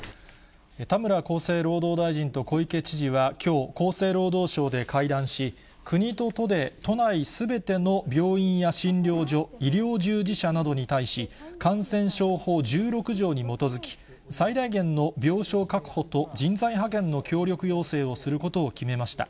田村厚生労働大臣と小池知事はきょう、厚生労働省で会談し、国と都で都内すべての病院や診療所、医療従事者などに対し、感染症法１６条に基づき、最大限の病床確保と人材派遣の協力要請をすることを決めました。